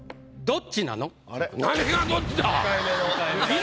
どっちなの？